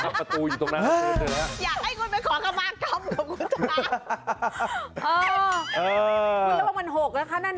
มาประตูอยู่ตรงนั้นนะครับ